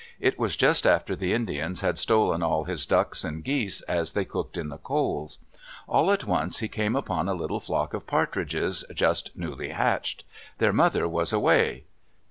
It was just after the Indians had stolen all his ducks and geese as they cooked in the coals. All at once he came upon a little flock of partridges, just newly hatched. Their mother was away.